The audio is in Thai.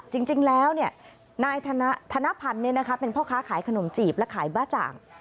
จริงแล้วนายธนพันธ์เป็นพ่อค้าขายขนมจีบและขายบ้าจ่าง